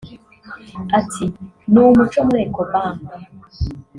Ati “Numuco muri Ecobank